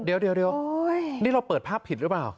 เดี๋ยวนี่เราเปิดภาพผิดหรือเปล่า